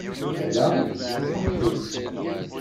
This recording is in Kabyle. Ala, saḥit.